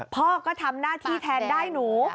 พ่อก็ทำหน้าที่แทนได้หนู